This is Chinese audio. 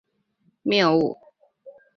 只有可兼选言的情况才属肯定选言谬误。